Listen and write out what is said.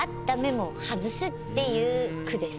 っていう句です。